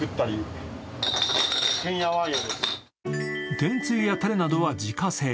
天つゆやたれなどは自家製。